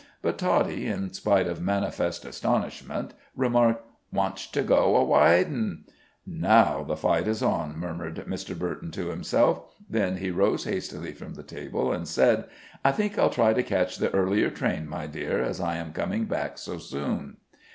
But Toddie, in spite of manifest astonishment, remarked: "Wantsh to go a widin'." "Now the fight is on," murmured Mr. Burton to himself. Then he arose hastily from the table, and said: "I think I'll try to catch the earlier train, my dear, as I am coming back so soon."